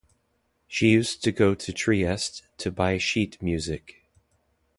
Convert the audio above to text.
She used to go to Trieste to buy sheet music.